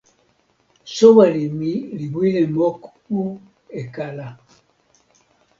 soweli mi li wile moku e kala.